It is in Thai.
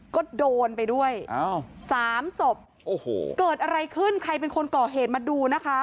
ก็โดนไปด้วยสามศพโอ้โหเกิดอะไรขึ้นใครเป็นคนก่อเหตุมาดูนะคะ